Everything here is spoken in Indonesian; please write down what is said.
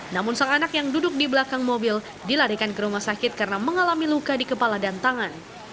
namun sang anak yang duduk di belakang mobil dilarikan ke rumah sakit karena mengalami luka di kepala dan tangan